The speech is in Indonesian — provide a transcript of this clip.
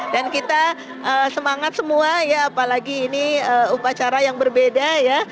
dan kita semangat semua ya apalagi ini upacara yang berbeda ya